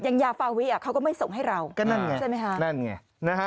ยังยาฟาวีเขาก็ไม่ส่งให้เราใช่ไหมครับ